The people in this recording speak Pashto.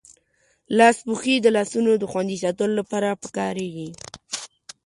لاسپوښي د لاسونو دخوندي ساتلو لپاره پکاریږی.